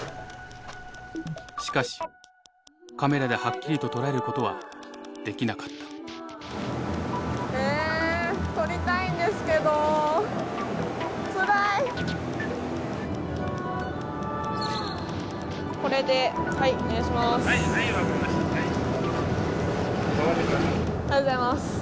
しかしカメラではっきりと捉えることはできなかったこれでお願いします。